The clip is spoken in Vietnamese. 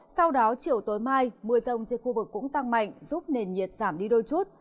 sau đó chiều tối mai mưa rông trên khu vực cũng tăng mạnh giúp nền nhiệt giảm đi đôi chút